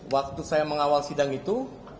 waktu saya mengawal sidang itu